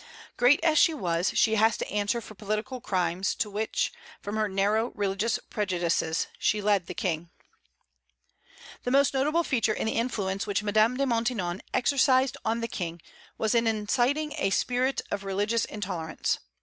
Great as she was, she has to answer for political crimes into which, from her narrow religious prejudices, she led the King. The most noticeable feature in the influence which Madame de Maintenon exercised on the King was in inciting a spirit of religious intolerance.